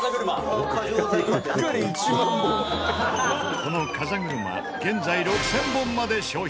この風車現在６０００本まで消費。